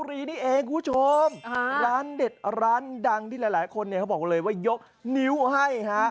ร้านเด็ดร้านดังที่หลายคนเขาบอกเลยว่ายกนิ้วให้